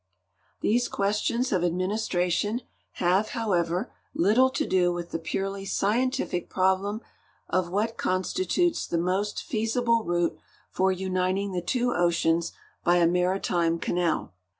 These questions of adiuinistration have, however, little to do with the purely scientific problem of what constitutes the most feasible route for uniting the two oceans by a maritime canal.